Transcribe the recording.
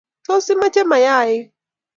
Tos, imache mayaik?